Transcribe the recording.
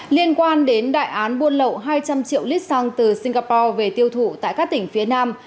liên quan đến đại án buôn lậu hai trăm linh triệu lít xăng từ singapore về tiêu thụ tại các tỉnh phía nam